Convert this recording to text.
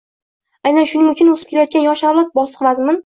Aynan shuning uchun o‘sib kelayotgan yosh avlod bosiq-vazmin